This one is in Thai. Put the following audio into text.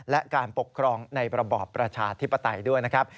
และการปกครองในระบอบประชาธิปไตยด้วยนะครับ